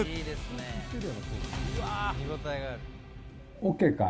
ＯＫかい？